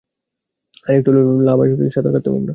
আরেকটু হলে লাভায় সাঁতার কাটতাম আমরা!